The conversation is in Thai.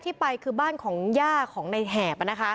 ทีมข่าวเราก็พยายามสอบปากคำในแหบนะครับ